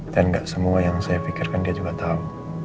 dan gak semua yang saya pikirkan dia juga tahu